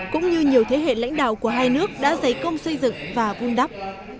cũng như nhiều thế hệ lãnh đạo của hai nước đã giấy công xây dựng và vun đắp